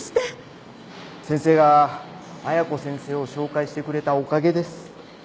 先生が綾子先生を紹介してくれたおかげです。